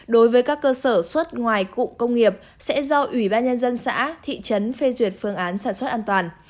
đối với các cơ sở xuất ngoài cụ công nghiệp sẽ do ủy ban nhân dân xã thị trấn phê duyệt phương án sản xuất an toàn